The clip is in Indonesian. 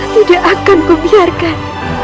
tidak akan kubiarkan